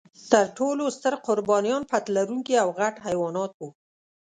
تر ټولو ستر قربانیان پت لرونکي او غټ حیوانات و.